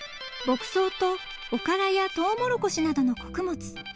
［牧草とおからやトウモロコシなどの穀物］